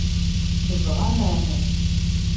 Nebɣa aman.